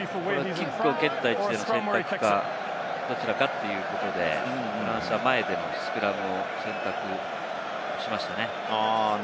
キックを蹴った位置での選択か、どちらかということで、フランスは前でのスクラムを選択しましたね。